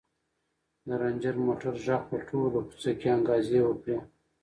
د رنجر موټر غږ په ټوله کوڅه کې انګازې وکړې.